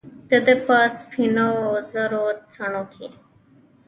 دده په سپینواوزري څڼوکې